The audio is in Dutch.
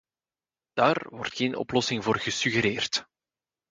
Daar wordt geen oplossing voor gesuggereerd.